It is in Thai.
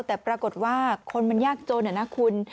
แต่ปรากฏว่าคนมันยากจนนะคุณ